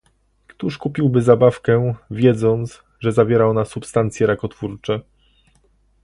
Któż kupiłby zabawkę, wiedząc, że zawiera ona substancje rakotwórcze?